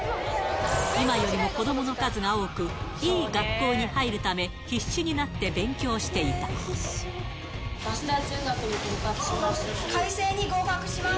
今よりも子どもの数が多く、いい学校に入るため必死になって早稲田中学に合格します。